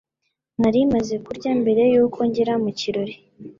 Nari maze kurya mbere yuko ngera mu kirori.